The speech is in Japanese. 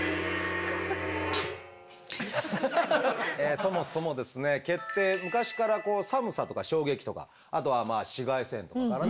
そもそも毛って昔から寒さとか衝撃とかあとはまあ紫外線とかからね